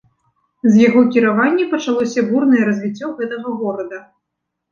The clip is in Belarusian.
З яго кіравання пачалося бурнае развіццё гэтага горада.